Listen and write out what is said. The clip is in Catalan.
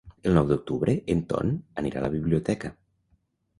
El nou d'octubre en Ton anirà a la biblioteca.